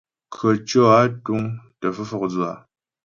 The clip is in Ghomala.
Krəcwɔ́ á túŋ tə́ fə́ fɔkdzʉ á ?